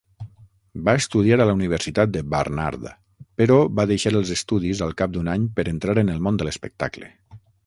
Va estudiar a la Universitat de Barnard, però va deixar els estudis al cap d'un any per entrar en el món de l'espectacle.